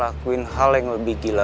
aku harus berpikir